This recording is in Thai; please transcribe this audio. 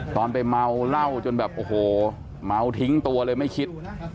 ตอนไปเมาเหล้าจนแบบโอ้โหเมาทิ้งตัวเลยไม่คิด